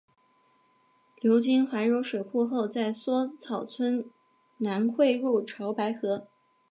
流经怀柔水库后在梭草村南汇入潮白河。